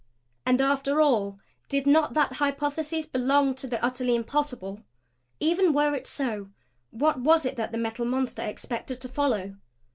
And after all did not that hypothesis belong to the utterly impossible? Even were it so what was it that the Metal Monster expected to follow?